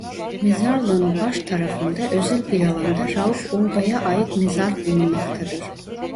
Mezarlığın baş tarafında özel bir alanda Rauf Orbay'a ait mezar bulunmaktadır.